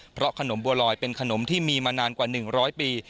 เพราะขนมบัวลอยเป็นขนมที่มีมานานกว่า๑๐๐ปี